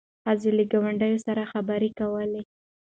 ښځه له ګاونډۍ سره خبرې کولې.